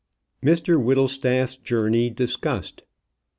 MR WHITTLESTAFF'S JOURNEY DISCUSSED.